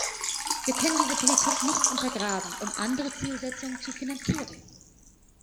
Wir können diese Politik nicht untergraben, um andere Zielsetzungen zu finanzieren.